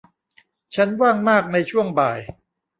ฉันว่างมากในช่วงบ่าย